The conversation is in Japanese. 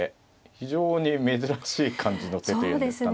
非常に珍しい感じの手と言うんですかね。